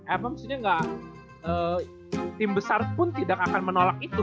emang mestinya nggak tim besar pun tidak akan menolak itu